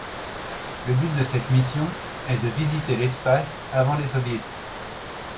Le but de cette mission est de visiter l'espace avant les Soviétiques.